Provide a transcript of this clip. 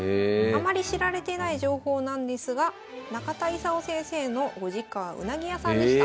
あまり知られてない情報なんですが中田功先生のご実家はうなぎ屋さんでした。